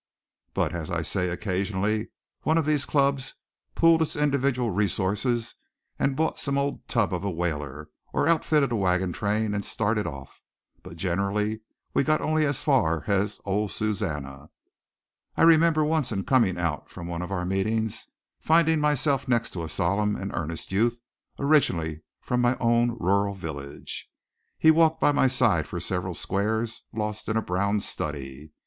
But, as I say, occasionally one of these clubs pooled its individual resources and bought some old tub of a whaler, or outfitted a wagon train, and started off. But generally we got only as far as Oh, Susannah! I remember once, in coming out from one of our meetings, finding myself next a solemn and earnest youth originally from my own rural village. He walked by my side for several squares lost in a brown study.